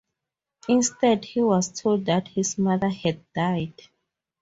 Instead he was told that his mother had died.